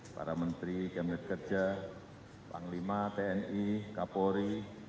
para menteri kabinet kerja panglima tni kapolri